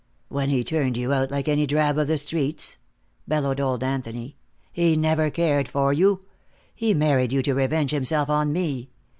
"When he turned you out, like any drab of the streets!" bellowed old Anthony. "He never cared for you. He married you to revenge himself on me.